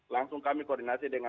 langsung kami koordinasi dengan